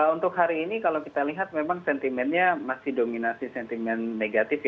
untuk hari ini kalau kita lihat memang sentimennya masih dominasi sentimen negatif